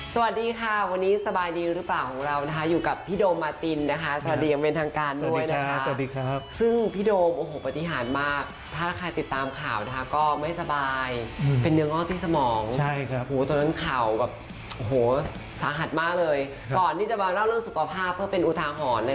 สวัสดีค่ะวันนี้สบายดีหรือเปล่าของเรานะคะอยู่กับพี่โดมมาตินนะคะสวัสดียังเป็นทางการด้วยนะคะสวัสดีครับซึ่งพี่โดมโอ้โหปฏิหารมากถ้าใครติดตามข่าวนะคะก็ไม่สบายเป็นเนื้องอกที่สมองใช่ครับโหตอนนั้นข่าวแบบโอ้โหสาหัสมากเลยก่อนที่จะมาเล่าเรื่องสุขภาพเพื่อเป็นอุทาหรณ์เลย